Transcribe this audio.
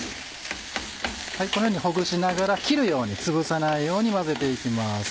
このようにほぐしながら切るようにつぶさないように混ぜて行きます。